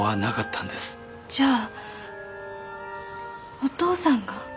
じゃあお父さんが。